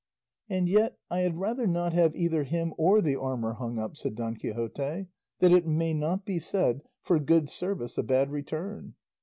"And yet, I had rather not have either him or the armour hung up," said Don Quixote, "that it may not be said, 'for good service a bad return.